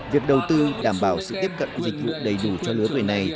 việc đầu tư đảm bảo sự tiếp cận dịch vụ đầy đủ cho lứa người này